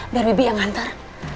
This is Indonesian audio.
biar bibi yang nganter